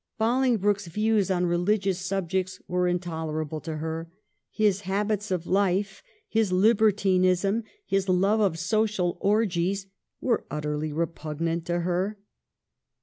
Bolingbroke's views on religious subjects were intoler able to her ; his habits of life, his libertinism, his love of social orgies were utterly repugnant to her.